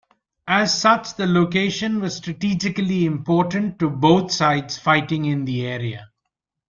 As such, the location was strategically important to both sides fighting in the area.